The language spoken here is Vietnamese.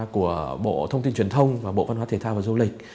của bộ thông tin truyền thông và bộ văn hóa thể thao và du lịch